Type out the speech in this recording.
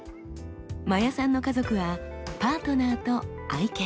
真矢さんの家族はパートナーと愛犬。